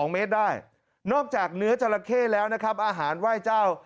๒เมตรได้นอกจากเนื้อจราเข้แล้วนะครับอาหารไหว้เจ้า